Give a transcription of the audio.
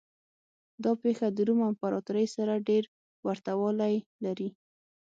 دا پېښه د روم امپراتورۍ سره ډېر ورته والی لري.